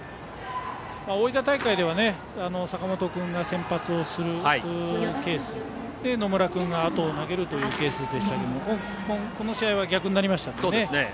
大分大会では坂本君が先発するケースで野村君があとを投げるケースでしたがこの試合は逆になりましたね。